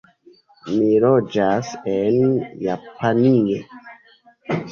Mi loĝas en Japanio.